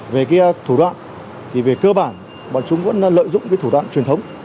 về cái thủ đoạn thì về cơ bản bọn chúng vẫn lợi dụng cái thủ đoạn truyền thống